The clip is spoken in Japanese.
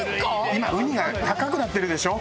今ウニが高くなってるでしょ。